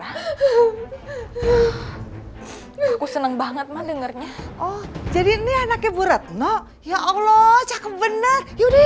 aku senang banget maling ernya oh jadi ini anaknya burat no ya allah cakep bener yuk